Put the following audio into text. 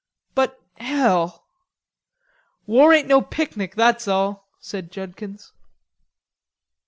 "But, hell." "War ain't no picnic, that's all," said Judkins.